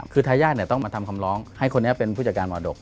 คือทายาทต้องมาทำคำร้องให้คนนี้เป็นผู้จัดการมรดก